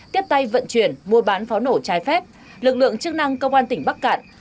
tiếp tay vận chuyển mua bán pháo nổ trái phép lực lượng chức năng công an tỉnh bắc cạn